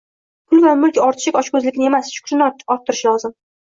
pul va mulk ortishi ochko'zlikni emas, shukrini orttirishi lozim.